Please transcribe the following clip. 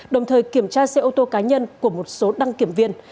đồng thời kiểm tra xe ô tô cá nhân của một số đăng kiểm viên